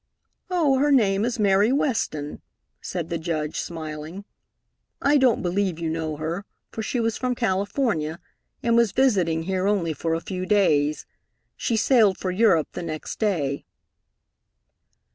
"Oh, her name is Mary Weston," said the Judge, smiling. "I don't believe you know her, for she was from California, and was visiting here only for a few days. She sailed for Europe the next day."